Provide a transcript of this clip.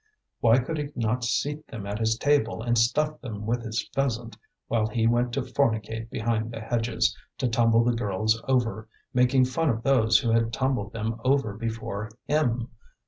Why could he not seat them at his table and stuff them with his pheasant, while he went to fornicate behind the hedges, to tumble the girls over, making fun of those who had tumbled them over before him!